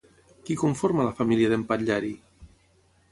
Qui conforma la família d'en Patllari?